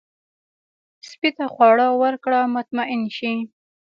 سپي ته خواړه ورکړه، مطمئن شي.